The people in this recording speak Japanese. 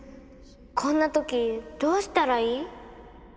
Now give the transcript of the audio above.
こんな時どうしたらいい？